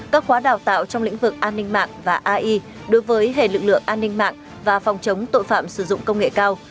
các khóa đào tạo trong lĩnh vực an ninh mạng và ai đối với hệ lực lượng an ninh mạng và phòng chống tội phạm sử dụng công nghệ cao